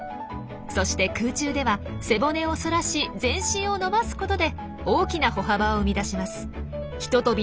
そして空中では背骨をそらし全身を伸ばすことで大きな歩幅を生み出します。